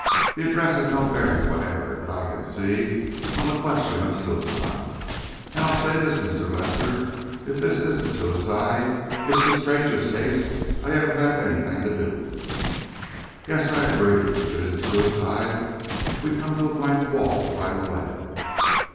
The address has no bearing whatever, that I can see, on the question of suicide. And I'll say this, Mr. Lester, if this isn't suicide, it's the strangest case I ever had anything to do with." "Yes," I agreed, "if it isn't suicide, we come to a blank wall right away."